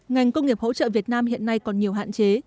ngành công nghiệp hỗ trợ việt nam hiện nay còn nhiều hạn chế